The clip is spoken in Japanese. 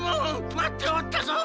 待っておったぞ！